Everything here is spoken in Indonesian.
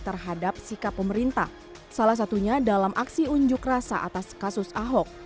terhadap sikap pemerintah salah satunya dalam aksi unjuk rasa atas kasus ahok